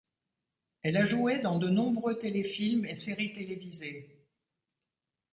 Elle a joué dans de nombreux téléfilms et séries télévisées.